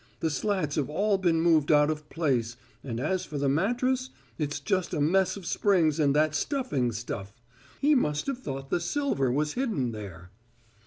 The slats have all been moved out of place, and as for the mattress, it's just a mess of springs and that stuffing stuff. He must have thought the silver was hidden there."